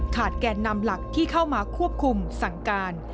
แกนนำหลักที่เข้ามาควบคุมสั่งการ